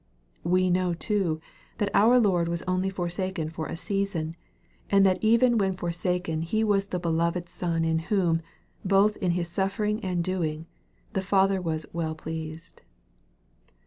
We know too, that our Lord was only forsaken for a season, and that even when forsaken He was the beloved Son in whom, both in His Buffering and doing, the Father was il well pleased."